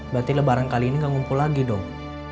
berarti lebaran kali ini gak ngumpul lagi dong